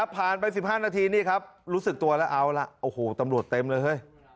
ไป๑๕นาทีนี่ครับรู้สึกตัวแล้วเอาล่ะโอ้โหตำรวจเต็มเลยเฮ้ย